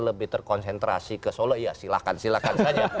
lebih terkonsentrasi ke solo ya silahkan silahkan saja